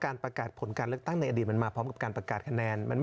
ประกาศผลการเลือกตั้งในอดีตมันมาพร้อมกับการประกาศคะแนน